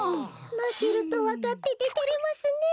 まけるとわかってててれますねえ。